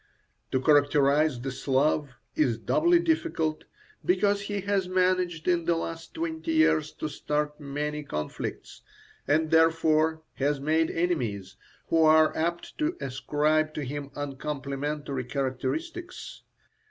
To characterize the Slav is doubly difficult, because he has managed in the last twenty years to start many conflicts, and therefore has made enemies, who are apt to ascribe to him uncomplimentary characteristics.